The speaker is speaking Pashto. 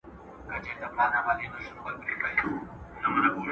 که خاوند خلع نکوله او د دوی تر منځ شرعي ژوند ممکن نه وو.